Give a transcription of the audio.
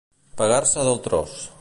Pagar-se del tros.